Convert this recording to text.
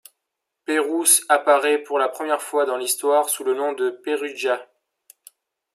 Pérouse apparaît pour la première fois dans l'histoire sous le nom de Perugia.